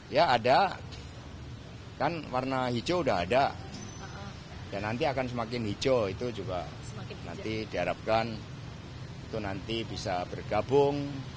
ya ada kan warna hijau udah ada dan nanti akan semakin hijau itu juga nanti diharapkan itu nanti bisa bergabung